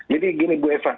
jadi gini bu eva